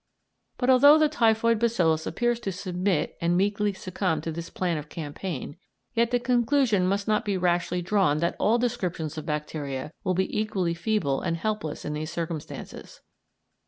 But, although the typhoid bacillus appears to submit and meekly succumb to this plan of campaign, yet the conclusion must not be rashly drawn that all descriptions of bacteria will be equally feeble and helpless in these circumstances.